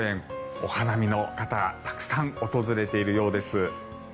お花見の方たくさん訪れているようです。